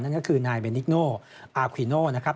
นั่นก็คือนายเบนิกโนอาควิโน่นะครับ